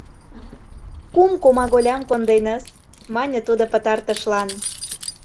— Кум комаголям конденыс, - мане тудо пытартышлан.